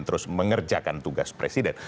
terus mengerjakan tugas presiden